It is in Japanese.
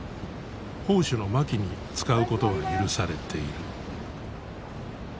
砲手の槇に使うことが許されている。